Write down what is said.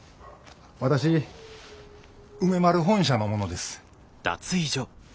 私梅丸本社の者です。